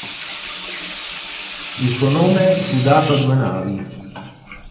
Il suo nome fu dato a due navi.